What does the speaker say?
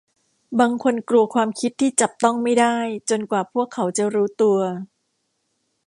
บางคนกลัวความคิดที่จับต้องไม่ได้จนกว่าพวกเขาจะรู้ตัว